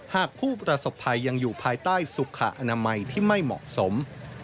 หากผู้ประสบภัยยังอยู่ภายใต้สุขอนามัยที่ไม่เหมาะสม